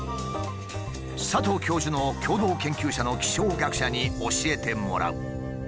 佐藤教授の共同研究者の気象学者に教えてもらう。